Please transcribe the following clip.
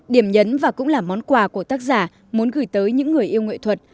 điểm nhấn và cũng là món quà của tác giả muốn gửi tới những người yêu nghệ thuật